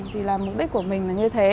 thì là mục đích của mình là như thế